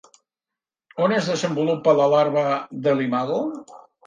On es desenvolupa la larva de l'imago?